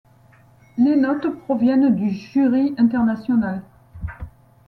Les notes proviennent du jury international.